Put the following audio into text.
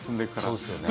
そうですよね。